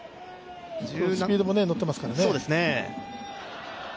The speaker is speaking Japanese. スピードものってますからね。